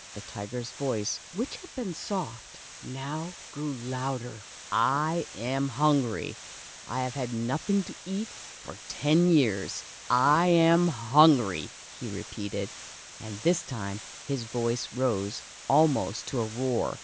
The tiger's voice, which had been soft, now grew louder. " I am hungry — I have had nothing to eat for ten long years. / am Jutngry,'' he repeated, and this time his voice rose almost to a roar.